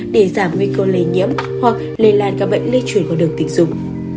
để giảm nguy cơ lây nhiễm hoặc lây lan các bệnh lây chuyển qua đường tình dục